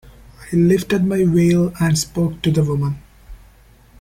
I lifted my veil and spoke to the woman.